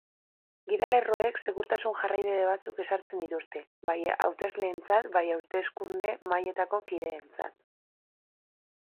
Gidalerroek segurtasun jarraibide batzuk ezartzen dituzte, bai hautesleentzat, bai hauteskunde-mahaietako kideentzat.